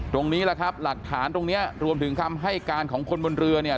ตรงนี้แหละครับหลักฐานตรงเนี้ยรวมถึงคำให้การของคนบนเรือเนี่ย